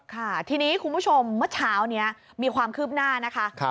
ค่ะทีนี้คุณผู้ชมเมื่อเช้านี้มีความคืบหน้านะคะ